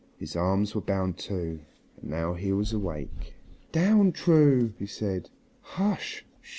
His arms were bound too. And now he was awake. "Down, True!" he said. "Hush!